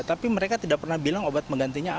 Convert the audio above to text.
tapi mereka tidak pernah bilang obat penggantinya ada